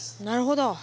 なるほど。